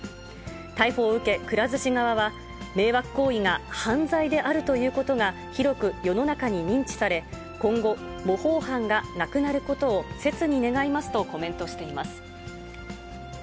逮捕を受け、くら寿司側が、迷惑行為が犯罪であるということが広く世の中に認知され、今後、模倣犯がなくなることをせつに願いますとコメントしています。